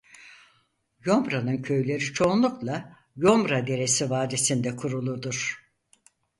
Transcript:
Yomra'nın köyleri çoğunlukla Yomra Deresi vadisinde kuruludur.